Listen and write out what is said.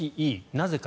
なぜか。